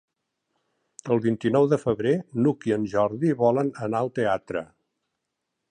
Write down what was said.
El vint-i-nou de febrer n'Hug i en Jordi volen anar al teatre.